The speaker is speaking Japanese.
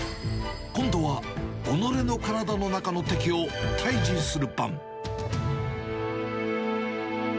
今度はおのれの体の中の敵を退治する番。